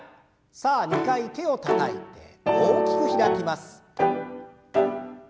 さあ２回手をたたいて大きく開きます。